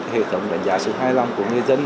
hệ thống đánh giá số hai mươi năm của người dân